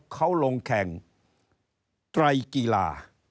เขาลงแข่งไตรกีฬา